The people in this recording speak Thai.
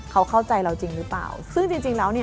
เขาเข้าใจเราจริงหรือเปล่า